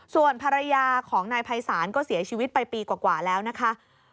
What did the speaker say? ส่วนภรรยาของนายภัยศาลก็เสียชีวิตไปปีกว่าแล้วนะคะ